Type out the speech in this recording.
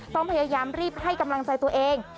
ต้องพยายามรีบให้กำลังใจตัวเอง